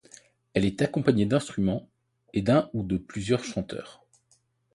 Elle est accompagnée d'instruments et d'un ou de plusieurs chanteurs.